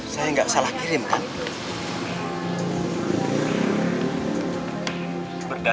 saya tidak pernah mengirimkan surat ini